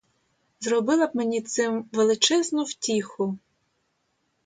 Зробила б мені цим величезну втіху.